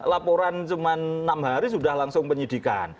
laporan cuma enam hari sudah langsung penyidikan